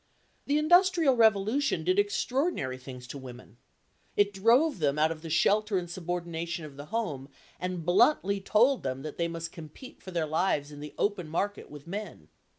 The industrial revolution did extraordinary things to women. It drove them out of the shelter and subordination of the home and bluntly told them that they must compete for their lives in the open market with men.